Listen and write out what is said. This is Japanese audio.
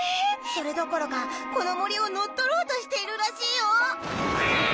それどころかこのもりをのっとろうとしているらしいよ。